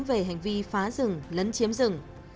về hành vi phá rừng lấn chiếm rừng